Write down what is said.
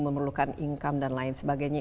memerlukan income dan lain sebagainya